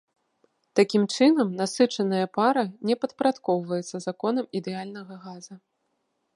Такім чынам насычаная пара не падпарадкоўваецца законам ідэальнага газа.